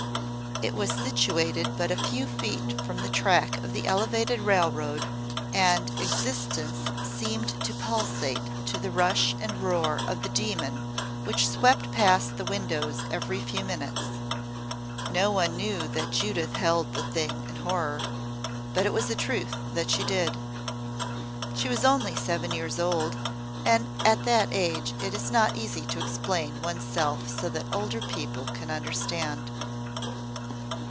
It was situated but a few feet from the track of the Elevated Railroad and existence seemed to pulsate to the rush and roar of the demon which swept past the windows every few minutes. No one knew that Judith held the thing in horror, but it was a truth that she did. She was only seven years old, and at that age it is not easy to explain one's self so that older people can understand.